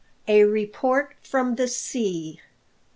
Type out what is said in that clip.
A REPORT FROM THE SEA.